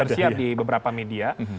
masih tersiap di beberapa media